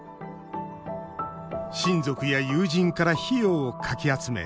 親族や友人から費用をかき集め